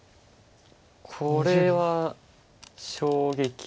これは衝撃。